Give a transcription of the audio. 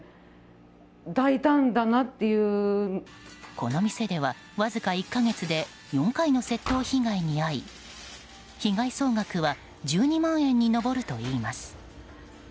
この店では、わずか１か月で４回の窃盗被害に遭い被害総額は１２万円に上るといいます。